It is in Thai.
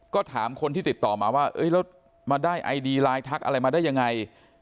ก็ถามคนที่ติดต่อมาว่าแล้วมาได้ไอดีไลน์ทักอะไรมาได้ยังไง